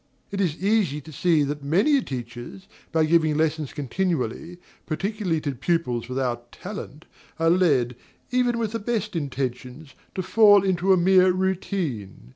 It is easy to see that many teachers, by giving lessons continually, particularly to pupils without talent, are led, even with the best intentions, to fall into a mere routine.